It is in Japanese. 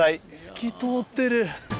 透き通ってる。